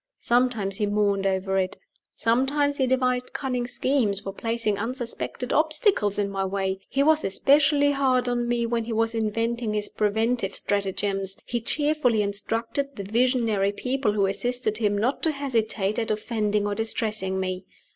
Sometimes he mourned over it. Sometimes he devised cunning schemes for placing unsuspected obstacles in my way. He was especially hard on me when he was inventing his preventive stratagems he cheerfully instructed the visionary people who assisted him not to hesitate at offending or distressing me.